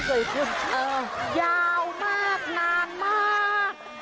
เออยาวมากนางมาก